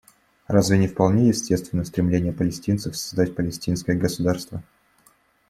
Разве не вполне естественно стремление палестинцев создать палестинское государство?